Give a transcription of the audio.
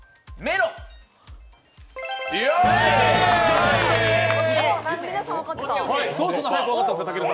どうしてこんなに早く分かったんですか